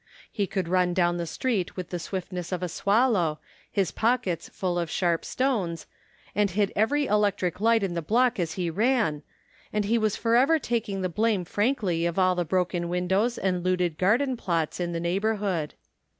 He could run down the street with the swiftness of a swallow, his pockets full of sharp stones, and hit every electric light in the block as he ran, arid he was forever taking the blame frankly of all the broken windows and looted garden plots in the neighborhood.